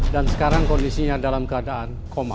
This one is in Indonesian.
dan sekarang kondisinya dalam keadaan koma